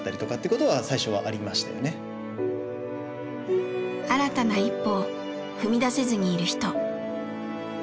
新たな一歩を踏み出せずにいる人。